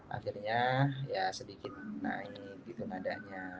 akhirnya ya sedikit naik gitu nadanya